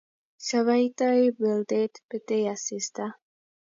Chabaitoi boldet, betei asista